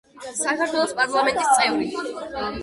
საქართველოს პარლამენტის წევრი.